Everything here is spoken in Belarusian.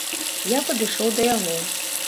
Я падышоў да яго.